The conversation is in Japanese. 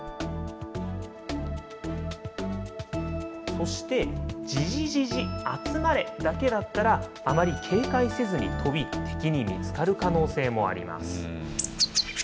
そして、ヂヂヂヂ、集まれだけだったら、あまり警戒せずに飛び、敵に見つかる可能性もあります。